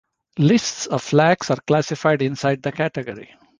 Lists of Flags are classified inside the category.